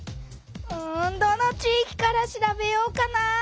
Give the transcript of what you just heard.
うんどの地いきから調べようかな？